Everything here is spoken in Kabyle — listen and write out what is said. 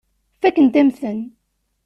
Fakkent-am-ten.